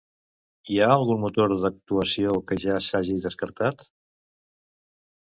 Hi ha algun motor d'actuació que ja s'hagi descartat?